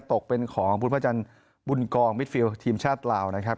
ตกเป็นของบุญพระจันทร์บุญกองมิดฟิลทีมชาติลาวนะครับ